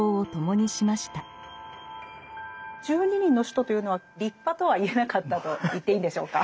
十二人の使徒というのは立派とは言えなかったと言っていいんでしょうか？